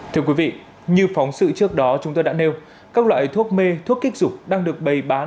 thưa quý vị như phóng sự trước đó chúng tôi đã nêu các loại thuốc mê thuốc kích dục đang được bày bán